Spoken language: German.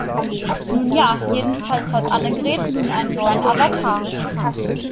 Nun ja, jedenfalls hat Annegret nun einen neuen Avatar.